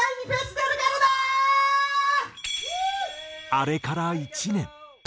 あれから１年。